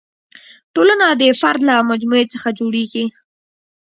ټولنه د فرد له مجموعې څخه جوړېږي.